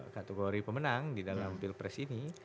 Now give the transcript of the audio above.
kategori pemenang di dalam pilpres ini